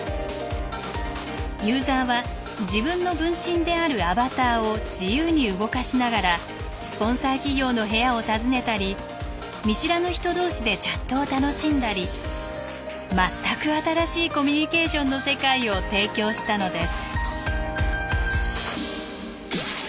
ユーザーは自分の分身であるアバターを自由に動かしながらスポンサー企業の部屋を訪ねたり見知らぬ人同士でチャットを楽しんだり全く新しいコミュニケーションの世界を提供したのです。